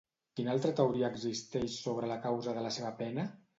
Quina altra teoria existeix sobre la causa de la seva pena?